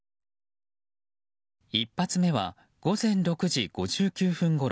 １発目は午前６時５９分ごろ